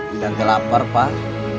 idan kelapar pak